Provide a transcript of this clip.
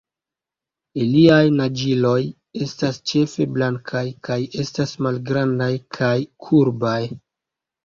Iliaj naĝiloj estas ĉefe blankaj kaj estas malgrandaj kaj kurbaj.